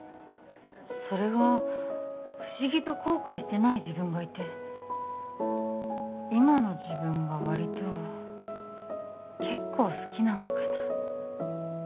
それが不思議と後悔してない自分がいて今の自分がわりと結構好きなのかな